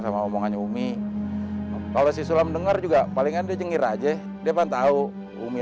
sama omongannya umi kalau sisulang dengar juga palingan dia jengir aja depan tahu umi